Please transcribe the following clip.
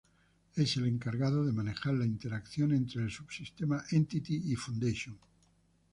Es el encargado de manejar la interacción entre el subsistema Entity y foundation.